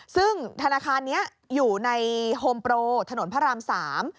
ซึ่งธนาคารนี้อยู่ในโฮมโปรถนนพระรามสาม